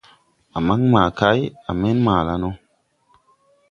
A man maa kay, a men maa la no.